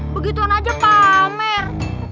begituan aja pamer